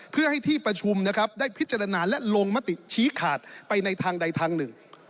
เพื่อให้ที่ประชุมนะครับได้พิจารณาและลงมติชี้ขาดไปในทางใดทางหนึ่ง